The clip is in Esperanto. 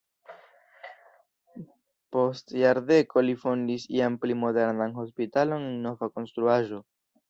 Post jardeko li fondis jam pli modernan hospitalon en nova konstruaĵo.